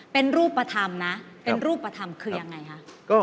เป็นรูปธรรมนะเป็นรูปธรรมคือยังไงคะ